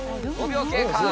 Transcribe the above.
５秒経過。